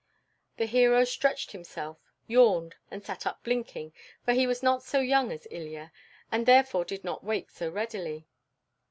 The hero stretched himself, yawned, and sat up blinking, for he was not so young as Ilya, and therefore did not wake so readily.